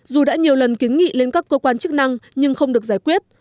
dù đã nhiều lần kiến nghị lên các cơ quan chức năng nhưng không được giải quyết